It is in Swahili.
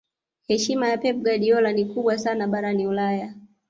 heshima ya pep guardiola ni kubwa sana barani ulaya